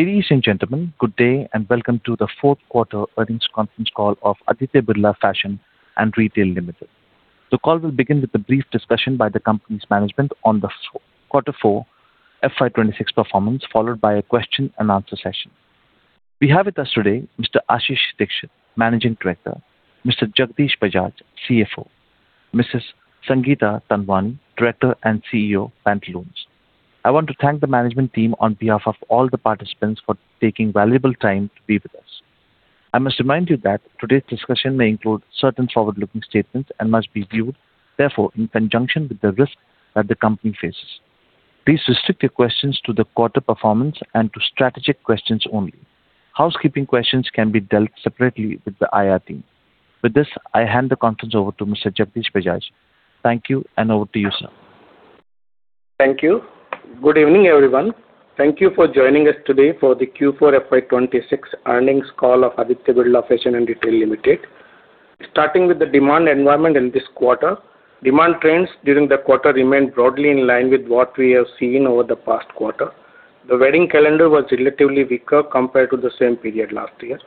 Ladies and gentlemen, good day and welcome to the fourth quarter earnings conference call of Aditya Birla Fashion and Retail Limited. The call will begin with a brief discussion by the company's management on the quarter four FY 2026 performance, followed by a question and answer session. We have with us today Mr. Ashish Dikshit, Managing Director; Mr. Jagdish Bajaj, CFO; Mrs. Sangeeta Pendurkar, Director and CEO, Pantaloons. I want to thank the management team on behalf of all the participants for taking valuable time to be with us. I must remind you that today's discussion may include certain forward-looking statements and must be viewed, therefore, in conjunction with the risks that the company faces. Please restrict your questions to the quarter performance and to strategic questions only. Housekeeping questions can be dealt separately with the IR team. With this, I hand the conference over to Mr. Jagdish Bajaj. Thank you, and over to you, sir. Thank you. Good evening, everyone. Thank you for joining us today for the Q4 FY2026 earnings call of Aditya Birla Fashion and Retail Limited. Starting with the demand environment in this quarter. Demand trends during the quarter remained broadly in line with what we have seen over the past quarter. The wedding calendar was relatively weaker compared to the same period last year.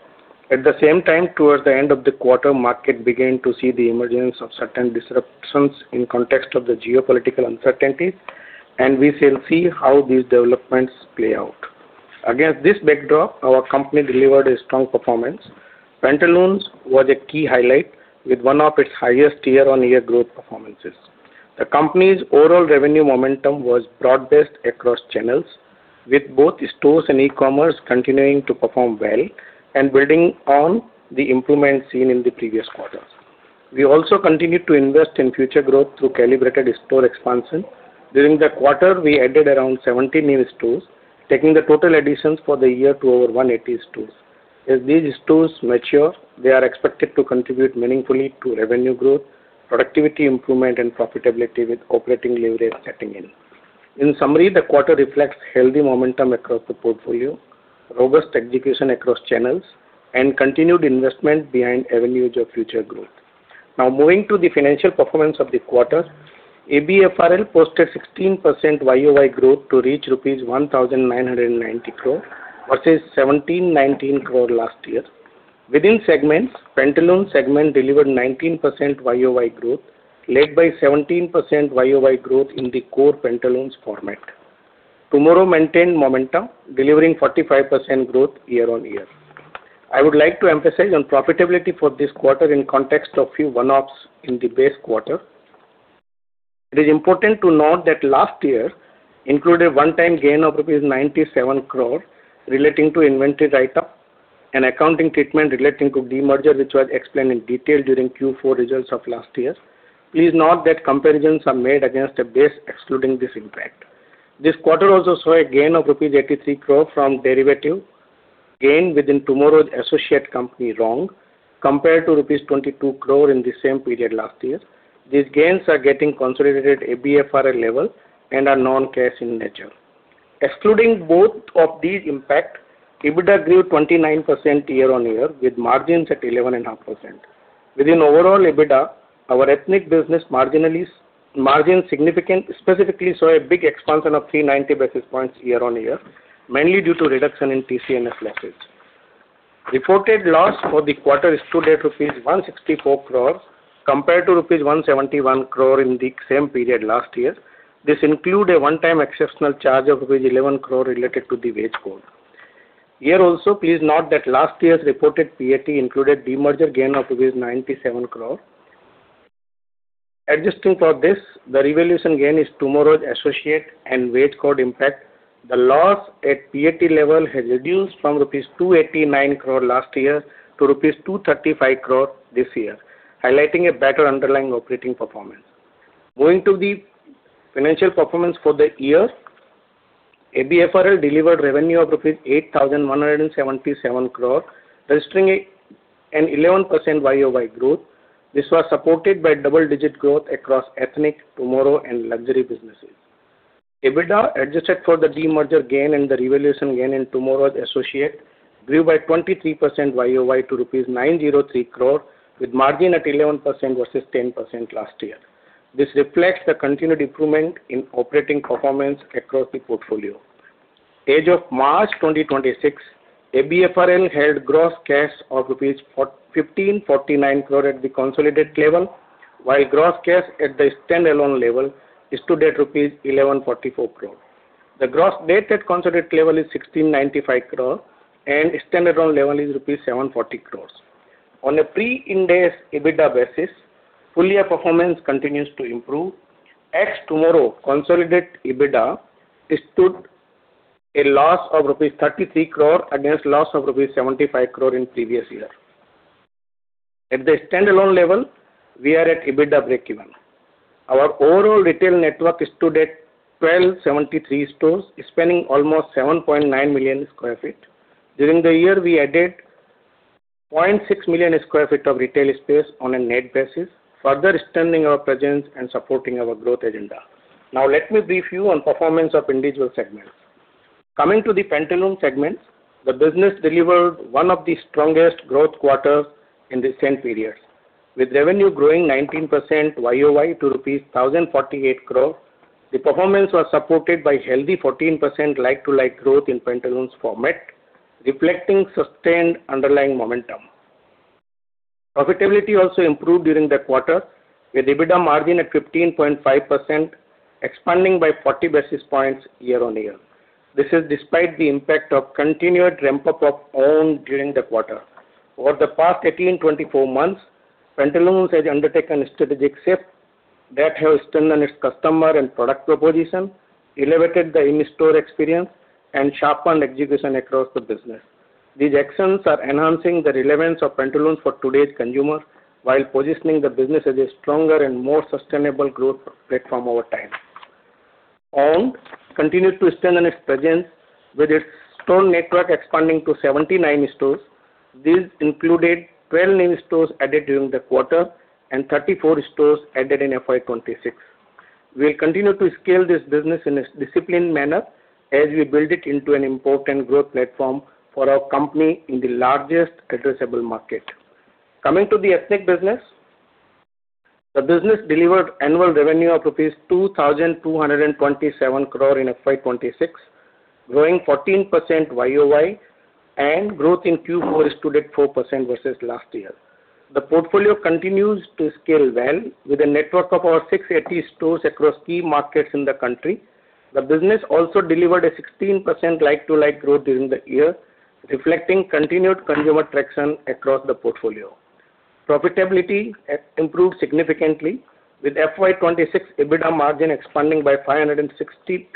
At the same time, towards the end of the quarter, market began to see the emergence of certain disruptions in context of the geopolitical uncertainties, and we shall see how these developments play out. Against this backdrop, our company delivered a strong performance. Pantaloons was a key highlight with one of its highest year-on-year growth performances. The company's overall revenue momentum was broad-based across channels, with both stores and e-commerce continuing to perform well and building on the improvement seen in the previous quarters. We also continue to invest in future growth through calibrated store expansion. During the quarter, we added around 70 new stores, taking the total additions for the year to over 180 stores. As these stores mature, they are expected to contribute meaningfully to revenue growth, productivity improvement, and profitability with operating leverage setting in. In summary, the quarter reflects healthy momentum across the portfolio, robust execution across channels, and continued investment behind avenues of future growth. Moving to the financial performance of the quarter. ABFRL posted 16% YOY growth to reach 1,990 crore rupees, versus 1,719 crore last year. Within segments, Pantaloons segment delivered 19% YOY growth, led by 17% YOY growth in the core Pantaloons format. TMRW maintained momentum, delivering 45% growth year-on-year. I would like to emphasize on profitability for this quarter in context of a few one-offs in the base quarter. It is important to note that last year included a one-time gain of rupees 97 crore relating to inventory write-up and accounting treatment relating to demerger, which was explained in detail during Q4 results of last year. Please note that comparisons are made against a base excluding this impact. This quarter also saw a gain of rupees 33 crore from derivative gain within TMRW's associate company, Wrogn, compared to rupees 22 crore in the same period last year. These gains are getting consolidated at ABFRL level and are non-cash in nature. Excluding both of these impact, EBITDA grew 29% year on year, with margins at 11.5%. Within overall EBITDA, our ethnic business margin significant specifically saw a big expansion of 390 basis points year on year, mainly due to reduction in TCNS leases. Reported loss for the quarter stood at rupees 164 crore compared to rupees 171 crore in the same period last year. This include a one-time exceptional charge of rupees 11 crore related to the wage code. Here also, please note that last year's reported PAT included demerger gain of rupees 97 crore. Adjusting for this, the revaluation gain is TMRW's associate and wage code impact. The loss at PAT level has reduced from 289 crore rupees last year to 235 crore rupees this year, highlighting a better underlying operating performance. Going to the financial performance for the year, ABFRL delivered revenue of rupees 8,177 crore, registering an 11% YOY growth. This was supported by double-digit growth across ethnic, TMRW and luxury businesses. EBITDA, adjusted for the demerger gain and the revaluation gain in TMRW, grew by 23% YOY to rupees 903 crore with margin at 11% versus 10% last year. This reflects the continued improvement in operating performance across the portfolio. As of March 2026, ABFRL had gross cash of 1,549 crore at the consolidated level, while gross cash at the standalone level stood at 1,144 crore. The gross debt at consolidated level is 1,695 crore rupees and standalone level is 740 crore rupees. On a pre-Ind AS EBITDA basis, full year performance continues to improve. At TMRW, consolidated EBITDA stood a loss of rupees 33 crore against loss of rupees 75 crore in previous year. At the standalone level, we are at EBITDA breakeven. Our overall retail network stood at 1,273 stores, spanning almost 7.9 million sq ft. During the year, we added 0.6 million sq ft of retail space on a net basis, further extending our presence and supporting our growth agenda. Now let me brief you on performance of individual segments. Coming to the Pantaloons segment, the business delivered one of the strongest growth quarters in the same period. With revenue growing 19% YOY to rupees 1,048 crore, the performance was supported by healthy 14% like-to-like growth in Pantaloons format, reflecting sustained underlying momentum. Profitability also improved during the quarter, with EBITDA margin at 15.5%, expanding by 40 basis points year-on-year. This is despite the impact of continued ramp-up of OWND! during the quarter. Over the past 18-24 months, Pantaloons has undertaken strategic shifts that have strengthened its customer and product proposition, elevated the in-store experience, and sharpened execution across the business. These actions are enhancing the relevance of Pantaloons for today's consumer, while positioning the business as a stronger and more sustainable growth platform over time. OWND! continues to strengthen its presence with its store network expanding to 79 stores. This included 12 new stores added during the quarter and 34 stores added in FY 2026. We continue to scale this business in a disciplined manner as we build it into an important growth platform for our company in the largest addressable market. Coming to the ethnic business. The business delivered annual revenue of 2,227 crore rupees in FY 2026, growing 14% YOY and growth in Q4 stood at 4% versus last year. The portfolio continues to scale well, with a network of over 680 stores across key markets in the country. The business also delivered a 16% like-to-like growth during the year, reflecting continued consumer traction across the portfolio. Profitability improved significantly with FY 2026 EBITDA margin expanding by 560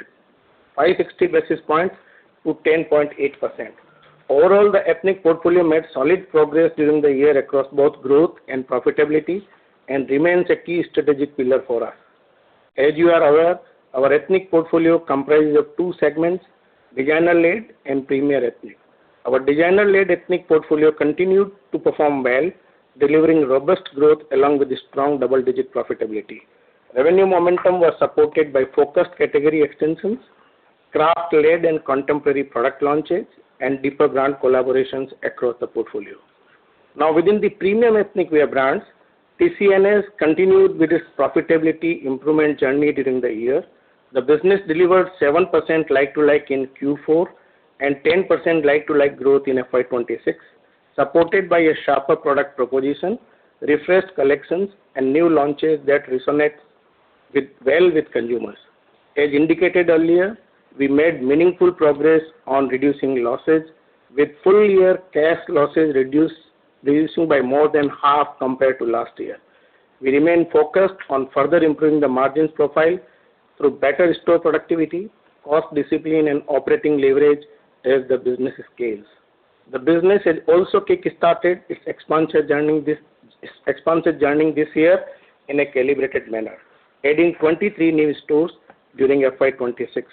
basis points to 10.8%. Overall, the ethnic portfolio made solid progress during the year across both growth and profitability and remains a key strategic pillar for us. As you are aware, our ethnic portfolio comprises of two segments, designer-led and premier ethnic. Our designer-led ethnic portfolio continued to perform well, delivering robust growth along with strong double-digit profitability. Revenue momentum was supported by focused category extensions, craft-led and contemporary product launches, and deeper brand collaborations across the portfolio. Within the premium ethnic wear brands, TCNS continued with its profitability improvement journey during the year. The business delivered 7% like-to-like in Q4 and 10% like-to-like growth in FY 2026, supported by a sharper product proposition, refreshed collections, and new launches that resonate well with consumers. As indicated earlier, we made meaningful progress on reducing losses, with full-year cash losses reducing by more than half compared to last year. We remain focused on further improving the margin profile through better store productivity, cost discipline and operating leverage as the business scales. The business has also kickstarted its expansion journey this year in a calibrated manner, adding 23 new stores during FY 2026.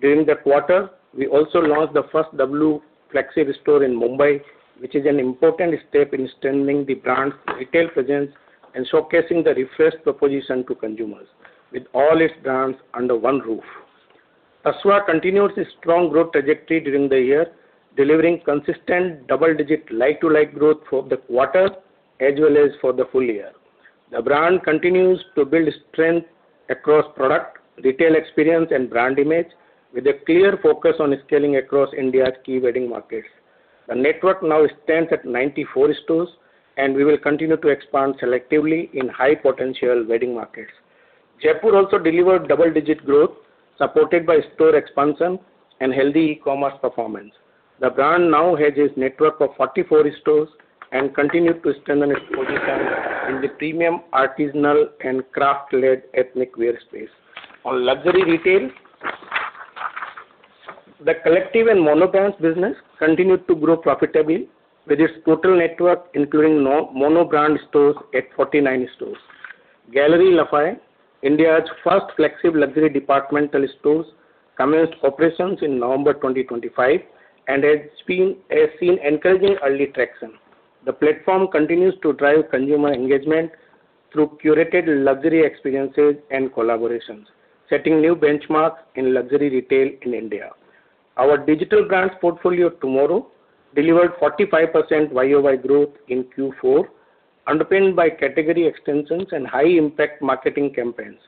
During the quarter, we also launched the first W flexi store in Mumbai, which is an important step in strengthening the brand's retail presence and showcasing the refreshed proposition to consumers with all its brands under one roof. Tasva continued its strong growth trajectory during the year, delivering consistent double-digit like-to-like growth for the quarter as well as for the full year. The brand continues to build strength across product, retail experience and brand image with a clear focus on scaling across India's key wedding markets. The network now stands at 94 stores, and we will continue to expand selectively in high potential wedding markets. Jaypore also delivered double-digit growth, supported by store expansion and healthy e-commerce performance. The brand now has a network of 44 stores and continues to strengthen its position in the premium artisanal and craft-led ethnic wear space. On luxury retail, The Collective and mono-brand business continued to grow profitably, with its total network including mono-brand stores at 49 stores. Galeries Lafayette, India's first flagship luxury department store commenced operations in November 2025 and has seen encouraging early traction. The platform continues to drive consumer engagement through curated luxury experiences and collaborations, setting new benchmarks in luxury retail in India. Our digital brands portfolio TMRW delivered 45% YOY growth in Q4, underpinned by category extensions and high impact marketing campaigns.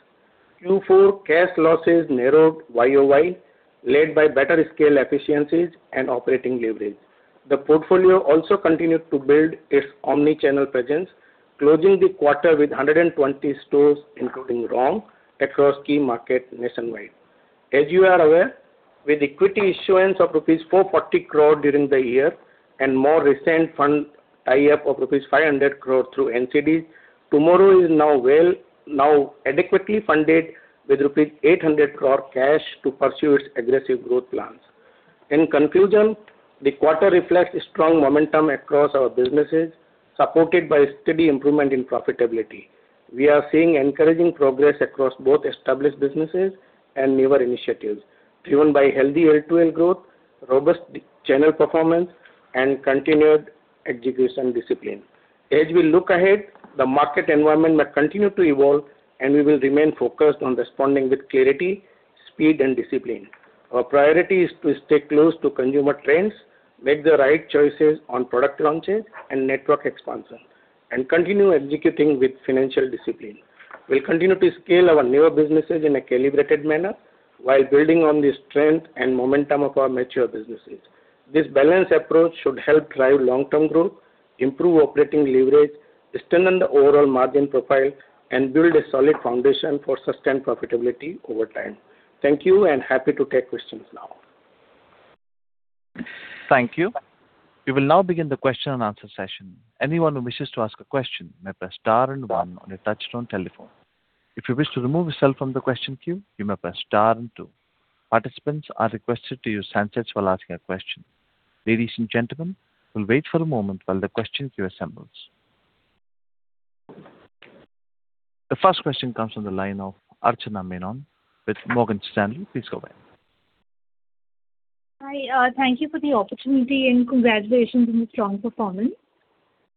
Q4 cash losses narrowed YOY, led by better scale efficiencies and operating leverage. The portfolio also continued to build its omni-channel presence, closing the quarter with 120 stores including Wrogn across key markets nationwide. As you are aware, with equity issuance of rupees 440 crore during the year and more recent tie-up of rupees 500 crore through NCD, TMRW is now adequately funded with rupees 800 crore cash to pursue its aggressive growth plans. In conclusion, the quarter reflects strong momentum across our businesses, supported by steady improvement in profitability. We are seeing encouraging progress across both established businesses and newer initiatives, driven by healthy L2L growth, robust channel performance and continued execution discipline. As we look ahead, the market environment will continue to evolve, and we will remain focused on responding with clarity. Speed and discipline. Our priority is to stay close to consumer trends, make the right choices on product launches and network expansion, and continue executing with financial discipline. We'll continue to scale our newer businesses in a calibrated manner while building on the strength and momentum of our mature businesses. This balanced approach should help drive long-term growth, improve operating leverage, strengthen the overall margin profile, and build a solid foundation for sustained profitability over time. Thank you, and happy to take questions now. Thank you. We will now begin the question and answer session. Anyone who wishes to ask a question may press star and one on your touchtone telephone. If you wish to remove yourself from the question queue, you may press star and two. Participants are requested to use handsets while asking a question. Ladies and gentlemen, we will wait for a moment while the question queue assembles. The first question comes from the line of Archana Menon with Morgan Stanley. Please go ahead. Hi. Thank you for the opportunity and congratulations on the strong performance.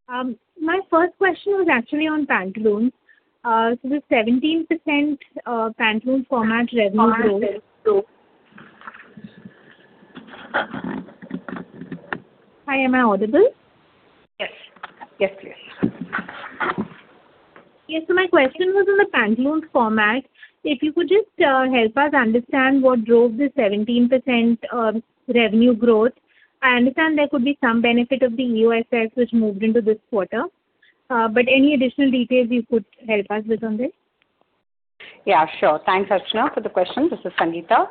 My first question was actually on Pantaloons. The 17% Pantaloons format revenue growth- Hi, am I audible? Yes. Yes. My question was on the Pantaloons format. If you could just help us understand what drove the 17% revenue growth. I understand there could be some benefit of the EOSS which moved into this quarter, any additional details you could help us with on this? Yeah, sure. Thanks, Archana, for the question. This is Sangeeta.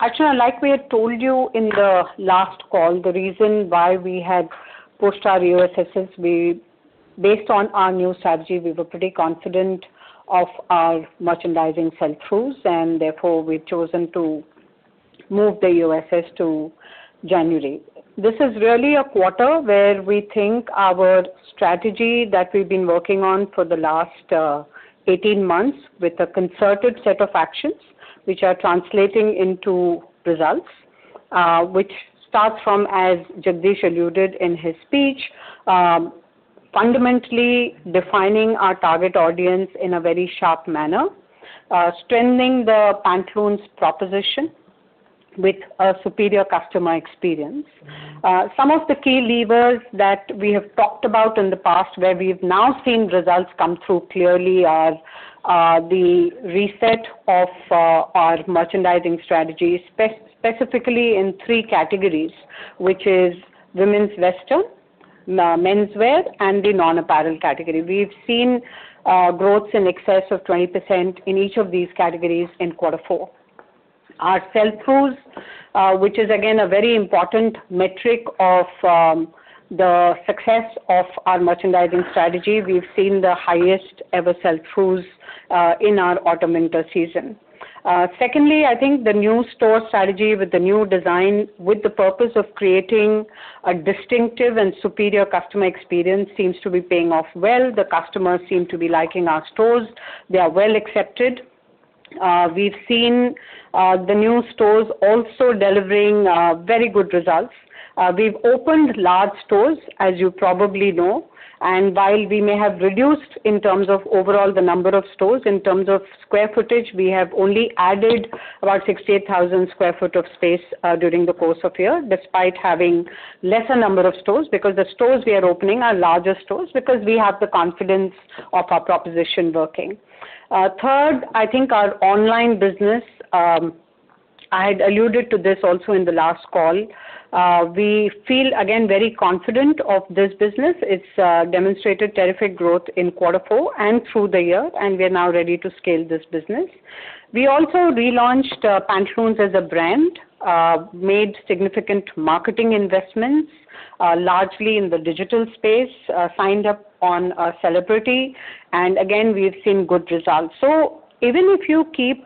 Archana, like we had told you in the last call, the reason why we had pushed our EOSS is based on our new strategy. We were pretty confident of our merchandising sell-throughs, and therefore we've chosen to move the EOSS to January. This is really a quarter where we think our strategy that we've been working on for the last 18 months with a concerted set of actions which are translating into results, which starts from, as Jagdish Bajaj alluded in his speech, fundamentally defining our target audience in a very sharp manner, strengthening the Pantaloons proposition with a superior customer experience. Some of the key levers that we have talked about in the past where we've now seen results come through clearly are the reset of our merchandising strategy, specifically in three categories, which is women's western, menswear, and the non-apparel category. We've seen growth in excess of 20% in each of these categories in Q4. Our sell-throughs, which is again a very important metric of the success of our merchandising strategy, we've seen the highest-ever sell-throughs in our autumn-winter season. Secondly, I think the new store strategy with the new design with the purpose of creating a distinctive and superior customer experience seems to be paying off well. The customers seem to be liking our stores. We are well-accepted. We've seen the new stores also delivering very good results. We've opened large stores, as you probably know, and while we may have reduced in terms of overall the number of stores, in terms of square foot, we have only added about 68,000 sq ft of space during the course of the year despite having lesser number of stores because the stores we are opening are larger stores because we have the confidence of our proposition working. Third, I think our online business, I'd alluded to this also in the last call. We feel again very confident of this business. It's demonstrated terrific growth in Q4 and through the year, and we're now ready to scale this business. We also relaunched Pantaloons as a brand, made significant marketing investments largely in the digital space, signed up on a celebrity. Again, we've seen good results. Even if you keep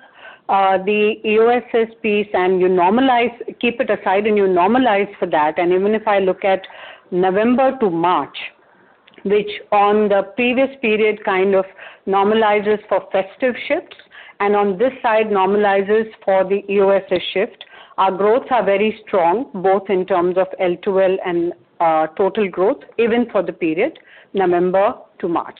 the EOSS piece and you normalize, keep it aside and you normalize for that, and even if I look at November to March, which on the previous period kind of normalizes for festive shifts, and on this side normalizes for the EOSS shift, our growths are very strong both in terms of L2L and total growth even for the period November to March.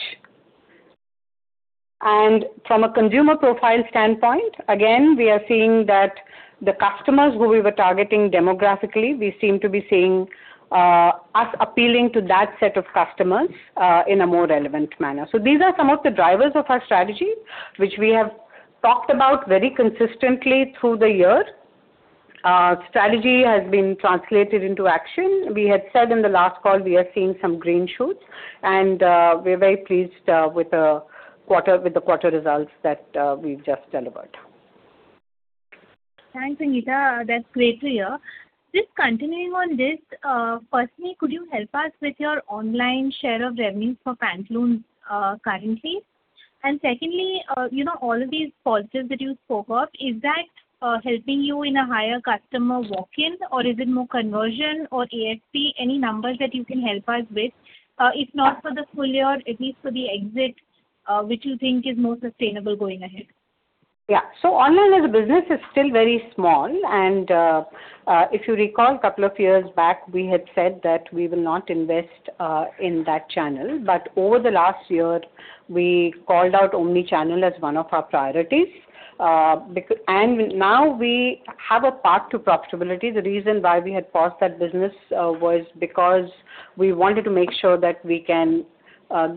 From a consumer profile standpoint, again, we are seeing that the customers who we were targeting demographically, we seem to be seeing us appealing to that set of customers in a more relevant manner. These are some of the drivers of our strategy, which we have talked about very consistently through the year. Our strategy has been translated into action. We had said in the last call we are seeing some green shoots, and we're very pleased with the quarter results that we've just delivered. Thanks, Sangeeta. That's great to hear. Just continuing on this, firstly, could you help us with your online share of revenue for Pantaloons currently? Secondly, all of these positives that you spoke of, is that helping you in a higher customer walk-in or is it more conversion or ASP? Any numbers that you can help us with if not for the full year, at least for the exit which you think is more sustainable going ahead. Yeah. Online as a business is still very small, and if you recall a couple of years back, we had said that we will not invest in that channel. Over the last year, we called out omnichannel as one of our priorities. Now we have a path to profitability. The reason why we had paused that business was because we wanted to make sure that we can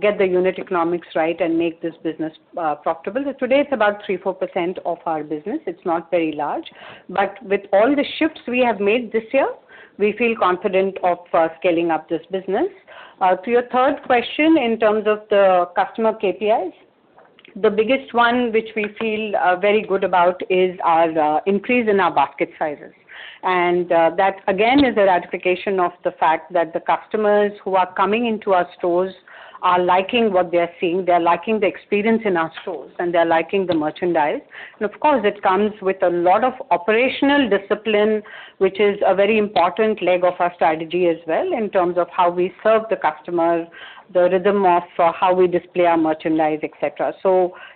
get the unit economics right and make this business profitable. Today, it's about 3%-4% of our business. It's not very large. With all the shifts we have made this year, we feel confident of scaling up this business. To your third question, in terms of the customer KPIs, the biggest one which we feel very good about is our increase in our basket sizes. That, again, is a ratification of the fact that the customers who are coming into our stores are liking what they're seeing, they're liking the experience in our stores, and they're liking the merchandise. Of course, it comes with a lot of operational discipline, which is a very important leg of our strategy as well in terms of how we serve the customer, the rhythm of how we display our merchandise, et cetera.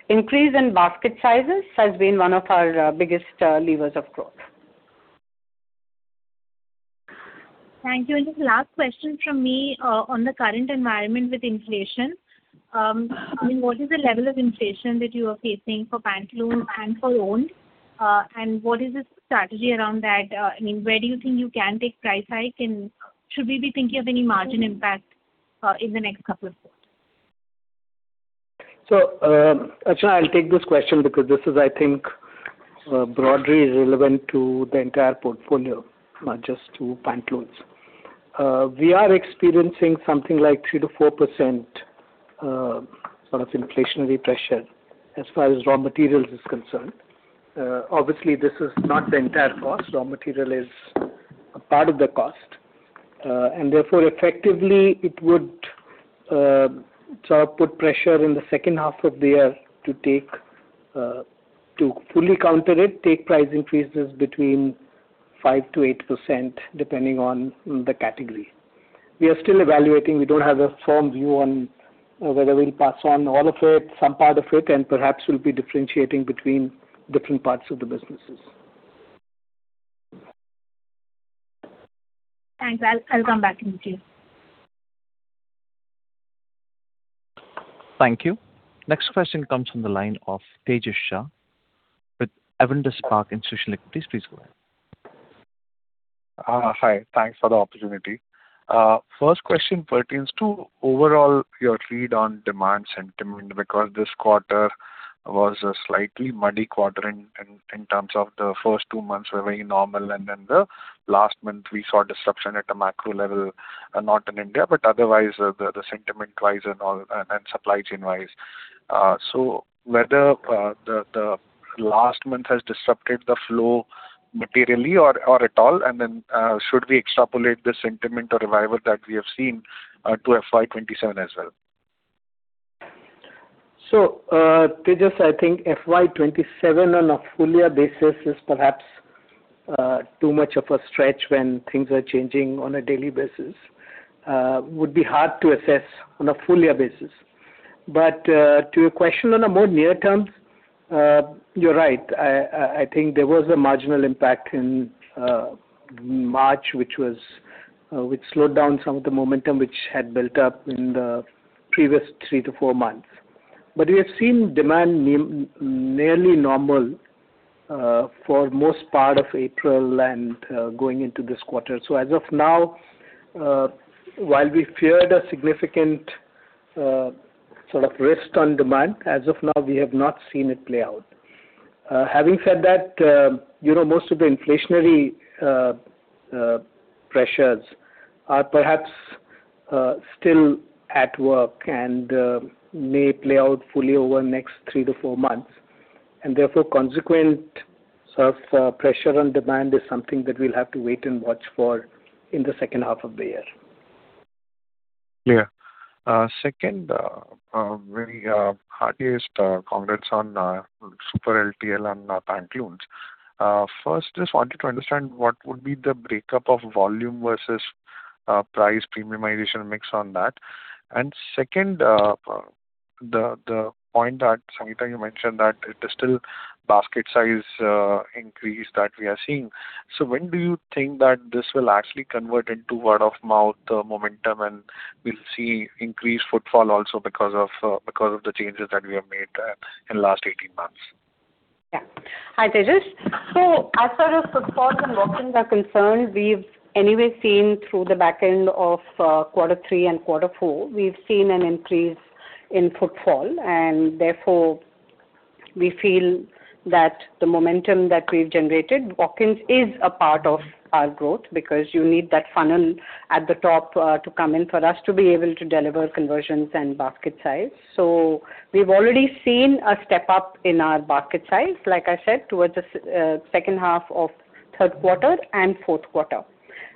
Increase in basket sizes has been one of our biggest levers of growth. Thank you. Just last question from me on the current environment with inflation. What is the level of inflation that you are facing for Pantaloons and for OWND!? What is the strategy around that? Where do you think you can take price hike, and should we be thinking of any margin impact in the next couple of quarters? Archana, I'll take this question because this is, I think, broadly relevant to the entire portfolio, not just to Pantaloons. We are experiencing something like 3%-4% sort of inflationary pressure as far as raw materials is concerned. Obviously, this is not the entire cost. Raw material is a part of the cost. And therefore, effectively, it would put pressure in the second half of the year to fully counter it, take price increases between 5%-8%, depending on the category. We are still evaluating. We don't have a firm view on whether we'll pass on all of it, some part of it, and perhaps we'll be differentiating between different parts of the businesses. Thanks. I'll come back in queue. Thank you. Next question comes from the line of Tejas Shah with Avendus Capital Institutional Equities. Please go ahead. Hi. Thanks for the opportunity. First question pertains to overall your read on demand sentiment because this quarter was a slightly muddy quarter in terms of the first two months were very normal, the last month we saw disruption at a macro level, not in India, otherwise the sentiment wise and all and supply chain wise. Whether the last month has disrupted the flow materially or at all, should we extrapolate the sentiment revival that we have seen to FY 2027 as well? Tejas, I think FY 2027 on a full year basis is perhaps too much of a stretch when things are changing on a daily basis. Would be hard to assess on a full year basis. To your question on a more near term, you're right. I think there was a marginal impact in March, which slowed down some of the momentum which had built up in the previous three to four months. We have seen demand nearly normal for most part of April and going into this quarter. As of now, while we feared a significant sort of risk on demand, as of now, we have not seen it play out. Having said that, most of the inflationary pressures are perhaps still at work and may play out fully over the next three to four months, and therefore consequent sort of pressure on demand is something that we'll have to wait and watch for in the second half of the year. Very heartiest congrats on super LTL and Pantaloons. Just wanted to understand what would be the breakup of volume versus price premiumization mix on that. The point that Sangeeta, you mentioned that it is still basket size increase that we are seeing. When do you think that this will actually convert into word-of-mouth momentum, and we'll see increased footfall also because of the changes that we have made in the last 18 months? Yeah. Hi, Tejas. As far as footfall and walk-ins are concerned, we've anyway seen through the back end of quarter three and quarter four, we've seen an increase in footfall, and therefore we feel that the momentum that we've generated, walk-ins is a part of our growth because you need that funnel at the top to come in for us to be able to deliver conversions and basket size. We've already seen a step-up in our basket size, like I said, towards the second half of third quarter and fourth quarter.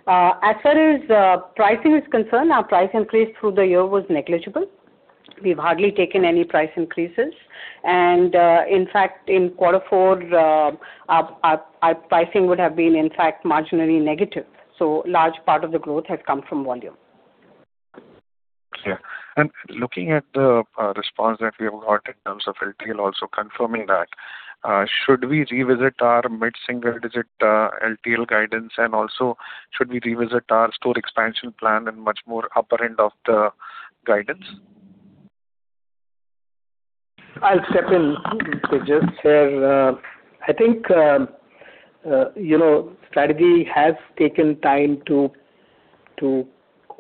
As far as pricing is concerned, our price increase through the year was negligible. We've hardly taken any price increases. In fact, in quarter four, our pricing would have been in fact marginally negative. A large part of the growth had come from volume. Yeah. Looking at the response that we have got in terms of LTL also confirming that, should we revisit our mid-single-digit LTL guidance? Should we revisit our store expansion plan and much more upper end of the guidance? I'll second. Just say I think strategy has taken time for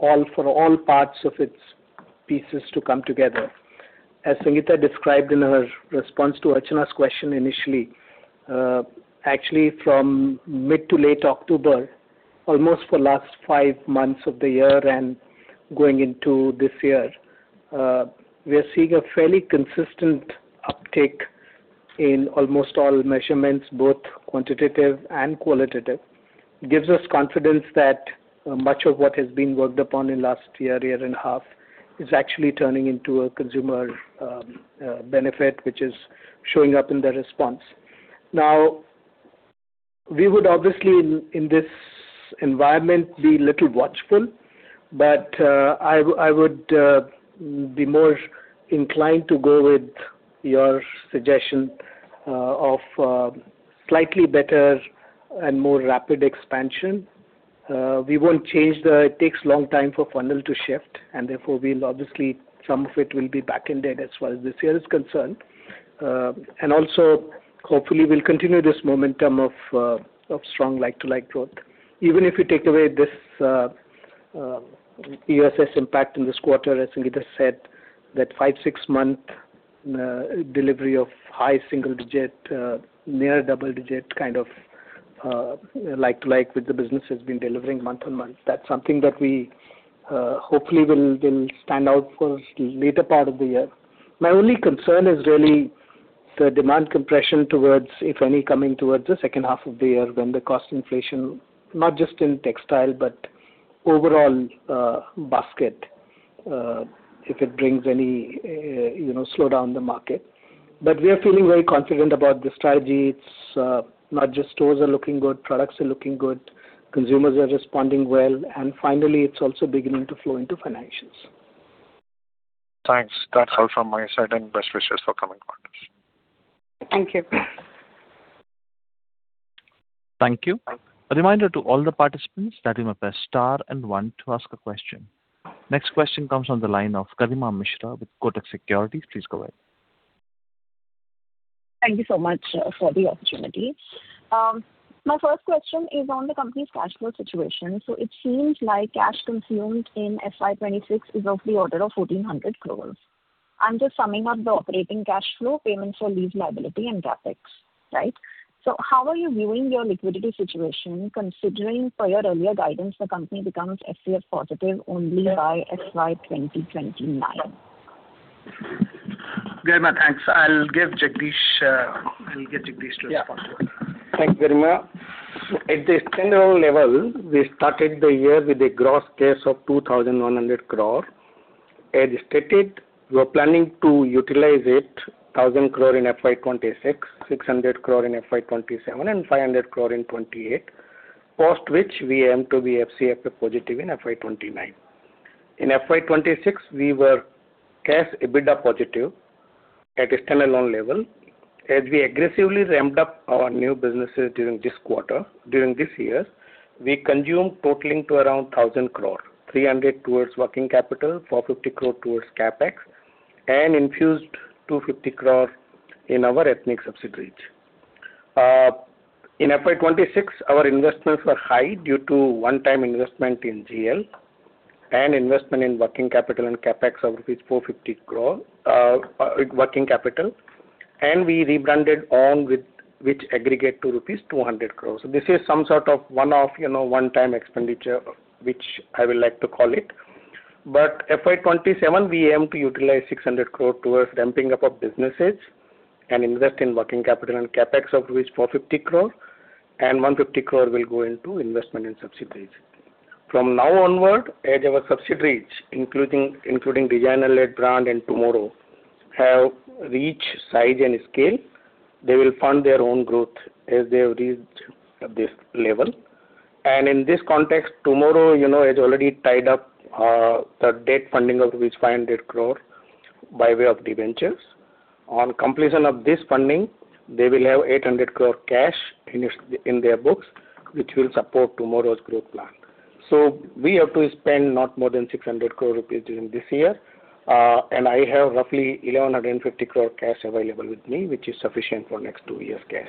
all parts of its pieces to come together. As Sangeeta described in her response to Archana's question initially, actually from mid to late October, almost for last five months of the year and going into this year, we are seeing a fairly consistent uptick in almost all measurements, both quantitative and qualitative. Gives us confidence that much of what has been worked upon in last year and a half, is actually turning into a consumer benefit, which is showing up in the response. We would obviously in this environment be a little watchful, but I would be more inclined to go with your suggestion of slightly better and more rapid expansion. We won't change that. It takes a long time for funnel to shift. Therefore obviously some of it will be back-ended as far as this year is concerned. Also hopefully we'll continue this momentum of strong like-to-like growth. Even if you take away this EOSS impact in this quarter, as Sangeeta said, that five, six-month delivery of high single digit, near double digit like-to-like that the business has been delivering month to month, that's something that we hopefully will stand out for later part of the year. My only concern is really the demand compression towards, if any, coming towards the second half of the year when the cost inflation, not just in textile but overall basket, if it brings any slowdown the market. We are feeling very confident about the strategy. It's not just stores are looking good, products are looking good, consumers are responding well, and finally it's also beginning to flow into financials. Thanks. That's all from my side and best wishes for coming quarters. Thank you. Thank you. A reminder to all the participants that you may press star and one to ask a question. Next question comes on the line of Garima Mishra with Kotak Securities. Please go ahead. Thank you so much for the opportunity. My first question is on the company's cash flow situation. It seems like cash consumed in FY 2026 is of the order of 1,400 crore. I'm just summing up the operating cash flow payments for lease liability and CapEx, right? How are you viewing your liquidity situation, considering per your earlier guidance, the company becomes FCF positive only by FY 2029? Garima, Thanks. I'll give Jagdish to respond to that. Thanks, Garima. At the standalone level, we started the year with a gross cash of 2,100 crore. As stated, we are planning to utilize it, 1,000 crore in FY 2026, 600 crore in FY 2027, and 500 crore in FY 2028. Post which we aim to be FCF positive in FY 2029. In FY 2026, we were cash EBITDA positive at a standalone level. As we aggressively ramped up our new businesses during this quarter, during this year, we consumed totaling to around 1,000 crore, 300 towards working capital, 450 crore towards CapEx, and infused 250 crore in our ethnic subsidiaries. In FY 2026, our investments were high due to one-time investment in GL and investment in working capital and CapEx of 450 crore rupees working capital, and we rebranded OWND! with which aggregate to rupees 200 crore. This is some sort of one-off, one-time expenditure which I would like to call it. FY 2027, we aim to utilize 600 crore towards ramping up of businesses and invest in working capital and CapEx of 450 crore and 150 crore will go into investment in subsidiaries. From now onward, as our subsidiaries, including Designer led brand and TMRW, have reached size and scale, they will fund their own growth as they have reached this level. In this context, TMRW has already tied up the debt funding of 500 crore by way of debentures. On completion of this funding, they will have 800 crore cash in their books, which will support TMRW's growth plan. We have to spend not more than 600 crore rupees during this year, and I have roughly 1,150 crore cash available with me, which is sufficient for next two years' cash.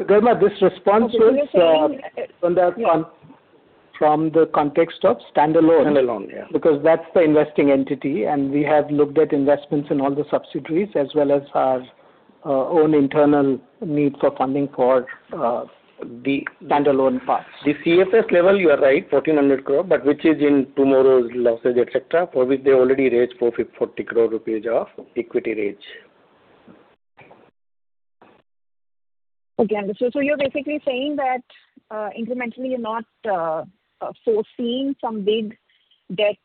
Garima, this response was from the context of standalone. Standalone, yeah. That's the investing entity and we have looked at investments in all the subsidiaries as well as our own internal needs for funding for the standalone parts. The consol level, you are right, 1,400 crore, but which is in TMRW's losses, et cetera, for which they already raised 440 crore rupees of equity raise. Okay. Understood. You're basically saying that incrementally you're not foreseeing some big debt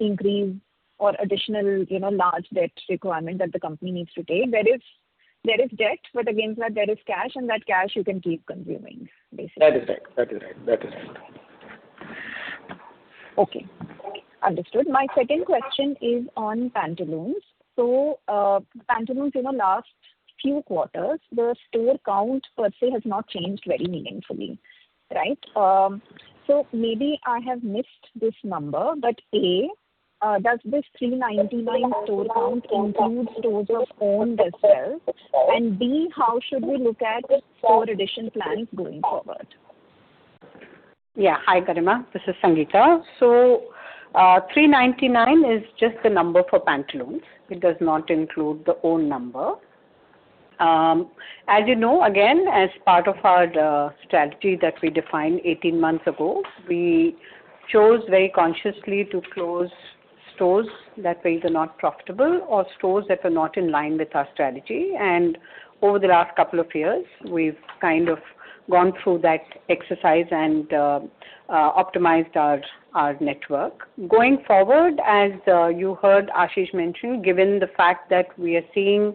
increase or additional large debt requirement that the company needs to take. There is debt, but against that there is cash and that cash you can keep consuming, basically. That is right. Okay, understood. My second question is on Pantaloons. Pantaloons in the last few quarters, the store count per se has not changed very meaningfully. Right. Maybe I have missed this number, but A, does this 399 store count include stores you own yourself? And B, how should we look at the store addition plan going forward? Yeah. Hi, Garima. This is Sangeeta. 399 is just the number for Pantaloons. It does not include the OWND! number. As you know, again, as part of our strategy that we defined 18 months ago, we chose very consciously to close stores that were either not profitable or stores that are not in line with our strategy. Over the last couple of years, we've gone through that exercise and optimized our network. Going forward, as you heard Ashish mention, given the fact that we are seeing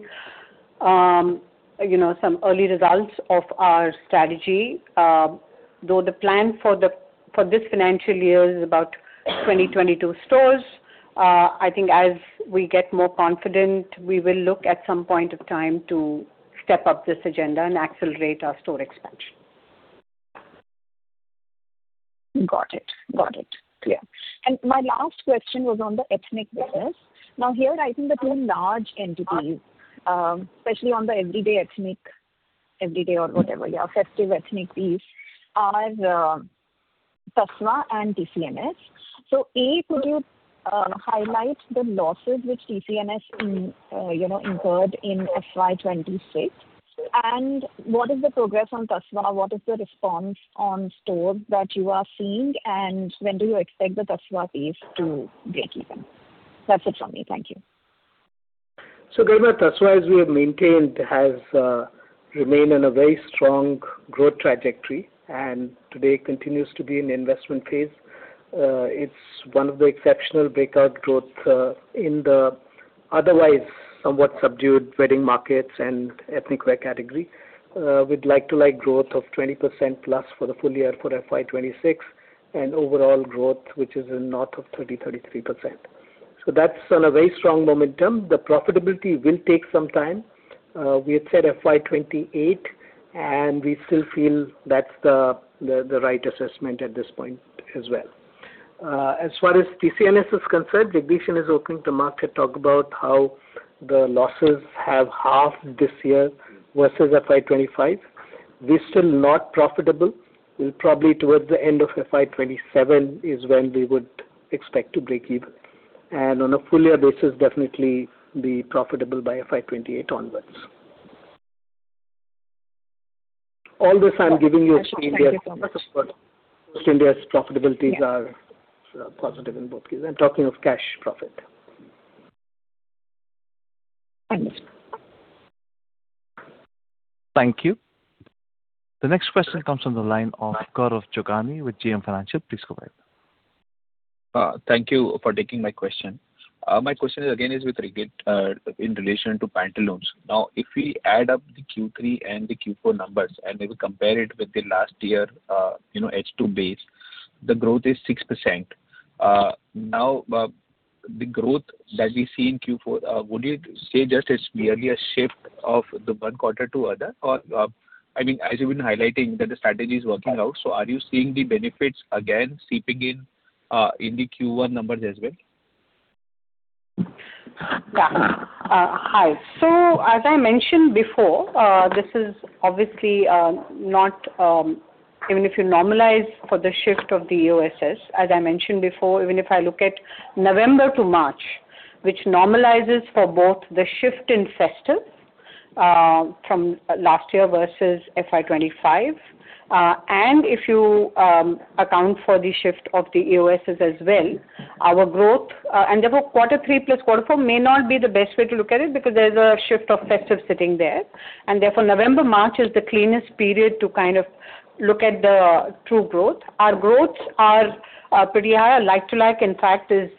some early results of our strategy, though the plan for this financial year is about 20-22 stores I think as we get more confident, we will look at some point of time to step up this agenda and accelerate our store expansion. Got it. Clear. My last question was on the ethnic business. Now here, I think the two large entities, especially on the everyday ethnic or whatever your festive ethnic piece are Tasva and TCNS. A, could you highlight the losses which TCNS incurred in FY 2026? What is the progress on Tasva? What is the response on stores that you are seeing? When do you expect the Tasva piece to break even? That's it from me. Thank you. Garima, Tasva, as we have maintained, has remained on a very strong growth trajectory and today continues to be an investment phase. It's one of the exceptional breakout growth in the otherwise somewhat subdued wedding markets and ethnic wear category. With like-to-like growth of 20%+ for the full year for FY 2026 and overall growth which is in north of 30%-33%. That's on a very strong momentum. The profitability will take some time. We had said FY 2028, and we still feel that's the right assessment at this point as well. As far as TCNS is concerned, Jagdish Bajaj has opened the market talk about how the losses have halved this year versus FY 2025. We're still not profitable. We'll probably towards the end of FY 2027 is when we would expect to break even. On a full year basis, definitely be profitable by FY 2028 onwards. All this I'm giving you are still their profitabilities are positive in both cases. I'm talking of cash profit. Understood. Thank you. The next question comes on the line of Gaurav Jogani with JM Financial. Please go ahead. Thank you for taking my question. My question again is in relation to Pantaloons. If we add up the Q3 and the Q4 numbers and we compare it with the last year H2 base, the growth is 6%. The growth that we see in Q4, would you say just it's merely a shift of the one quarter to other? Or as you've been highlighting that the strategy is working out, so are you seeing the benefits again seeping in the Q1 numbers as well? Hi. As I mentioned before, even if you normalize for the shift of the EOSS, as I mentioned before, even if I look at November to March, which normalizes for both the shift in festive from last year versus FY 2025, and if you account for the shift of the EOSS as well, our growth and therefore quarter three plus quarter four may not be the best way to look at it because there's a shift of festive sitting there. Therefore November, March is the cleanest period to look at the true growth. Our growths are pretty high, like to like, in fact, is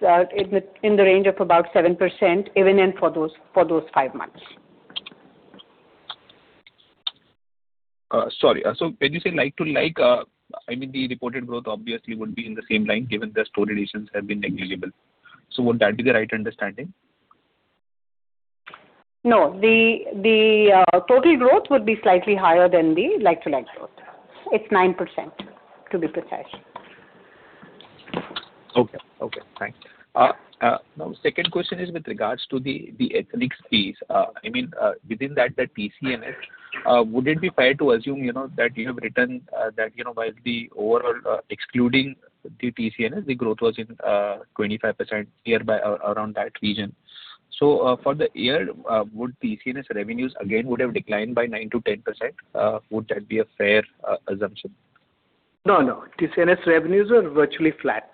in the range of about 7%, even in for those five months. Sorry. When you say like to like, the reported growth obviously would be in the same line given the store additions have been negligible. Would that be the right understanding? No. The total growth would be slightly higher than the like to like growth. It's 9%, to be precise. Okay. Fine. Second question is with regards to the ethnics piece. Within that, the TCNS, would it be fair to assume that you have written that while the overall excluding the TCNS, the growth was in 25% nearby around that region. For the year, would TCNS revenues again would have declined by 9%-10%? Would that be a fair assumption? No. TCNS revenues are virtually flat.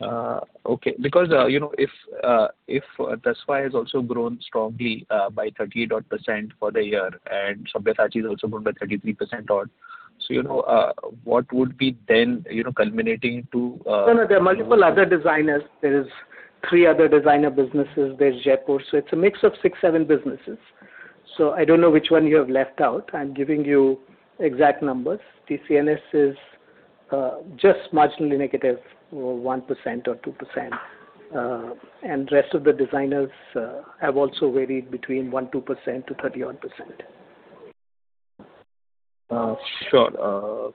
Okay. If Tasva has also grown strongly by 38% for the year and Sabyasachi is also grown by 33% odd. What would be then culminating to? No, there are multiple other designers. There's three other designer businesses. There's Jaypore. It's a mix of six, seven businesses. I don't know which one you have left out. I'm giving you exact numbers. TCNS is just marginally negative, 1% or 2%. Rest of the designers have also varied between 1%, 2% to 31%. Sure.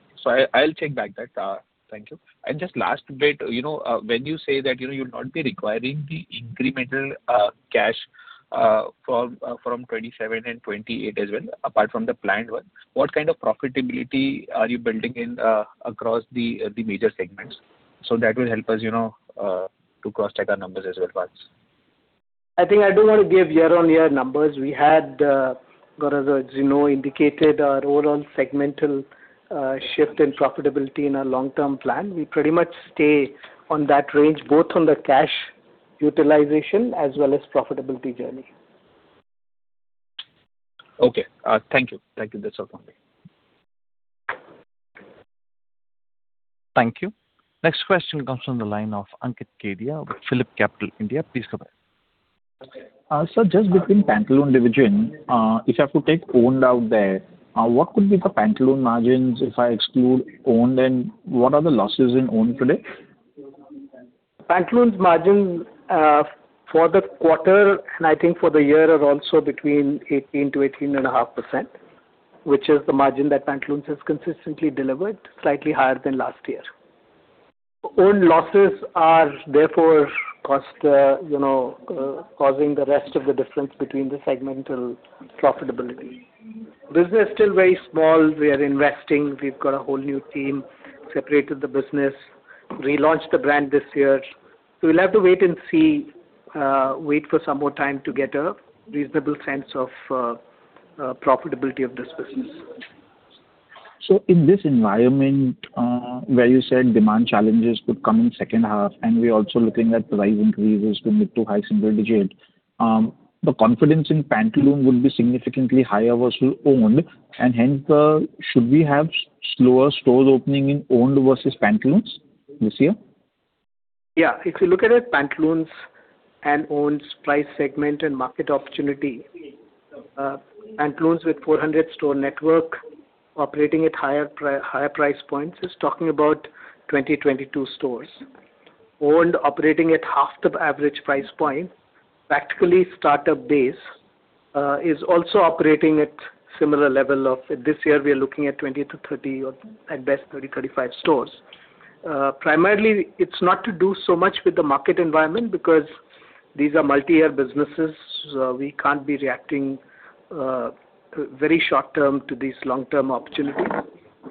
I'll check back that. Thank you. Just last bit, when you say that you'll not be requiring the incremental cash from 2027 and 2028 as well, apart from the planned one, what kind of profitability are you building in across the major segments? That will help us to cross-check our numbers as well. I think I don't want to give year-on-year numbers. We had indicated our overall segmental shift in profitability in our long-term plan. We pretty much stay on that range, both on the cash utilization as well as profitability journey. Okay. Thank you. Thank you. That's all from me. Thank you. Next question comes from the line of Ankit Kedia with Phillip Capital India. Please go ahead. Just within Pantaloons division, if you have to take OWND! out there, what will be the Pantaloons margins if I exclude OWND! and what are the losses in OWND! today? Pantaloons margin for the quarter and I think for the year are also between 18%-18.5%, which is the margin that Pantaloons has consistently delivered, slightly higher than last year. OWND! losses are causing the rest of the difference between the segmental profitability. Business is still very small. We are investing. We've got a whole new team, separated the business, relaunched the brand this year. We'll have to wait for some more time to get a reasonable sense of profitability of this business. In this environment, where you said demand challenges could come in second half, and we're also looking at price increases mid to high single digit, the confidence in Pantaloons will be significantly higher versus OWND!, and hence, should we have slower stores opening in OWND! versus Pantaloons this year? If you look at it, Pantaloons and OWND!'s price segment and market opportunity, Pantaloons with 400 store network operating at higher price points is talking about 20-22 stores. OWND! operating at half the average price point, practically startup base, is also operating at similar level of this year, we're looking at 20-30, or at best 30-35 stores. Primarily, it's not to do so much with the market environment because these are multi-year businesses. We can't be reacting very short term to these long-term opportunities.